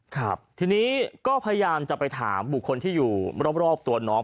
ครับทีนี้ก็พยายามจะไปถามบุคคลที่อยู่รอบรอบตัวน้อง